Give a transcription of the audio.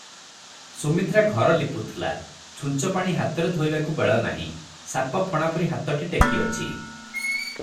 ସୁମିତ୍ରାଘର ଲିପୁଥିଲା, ଛୂଞ୍ଚ ପାଣି ହାତ ଧୋଇବାକୁ ବେଳନାହିଁ, ସାପ ଫଣା ପରି ହାତଟି ଟେକିଅଛି ।